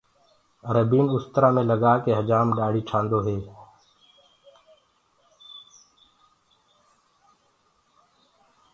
ربينٚ اُسترآ مينٚ لگآ ڪي هجآم ڏآڙهي ٺآندو هي۔